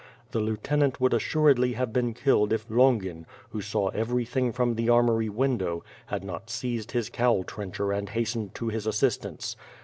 The lieutenant would assuredly have been killed if Longin, who saw every thing from the armory window, had not seized his Cowl Trencher and hastened to his assistance.